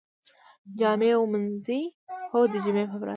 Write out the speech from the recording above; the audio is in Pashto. جامی ومینځئ؟ هو، د جمعې په ورځ